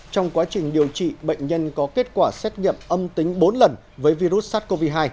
trong quá trình điều trị bệnh nhân có kết quả xét nghiệm âm tính bốn lần với virus sars cov hai